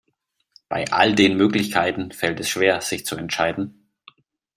Bei all den Möglichkeiten fällt es schwer, sich zu entscheiden.